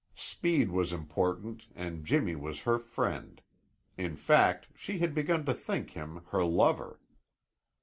Speed was important and Jimmy was her friend; in fact, she had begun to think him her lover.